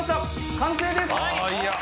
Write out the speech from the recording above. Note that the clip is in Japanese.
完成です。